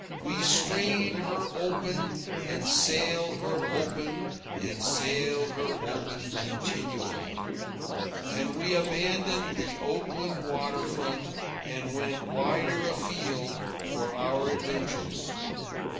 We strained her open and sailed her open and sailed her open continually. And we abandoned the Oakland water front and went wider afield for our adventures.